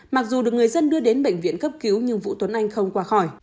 mặc dù được người dân đưa đến bệnh viện cấp cứu nhưng vũ tuấn anh không qua khỏi